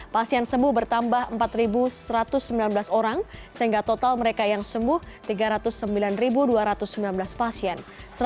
pasien sembuh bertambah empat satu ratus sembilan belas orang sehingga total mereka yang sembuh tiga ratus sembilan dua ratus sembilan belas pasien